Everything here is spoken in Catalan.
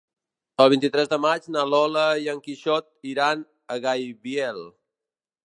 El vint-i-tres de maig na Lola i en Quixot iran a Gaibiel.